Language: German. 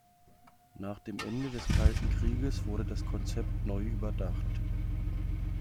Nach dem Ende des Kalten Krieges wurde das Konzept neu überdacht.